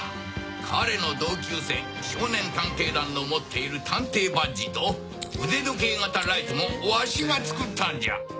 彼の同級生少年探偵団の持っている探偵バッジと腕時計型ライトもわしが作ったんじゃ！